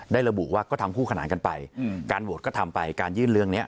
ระบุว่าก็ทำคู่ขนานกันไปการโหวตก็ทำไปการยื่นเรื่องนี้